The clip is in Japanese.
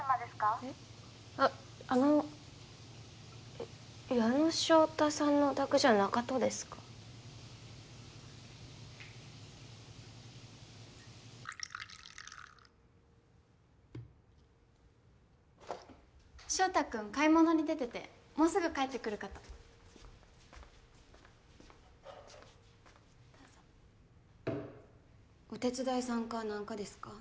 えっあっあの矢野翔太さんのお宅じゃなかとですか翔太くん買い物に出ててもうすぐ帰ってくるかとどうぞお手伝いさんか何かですか？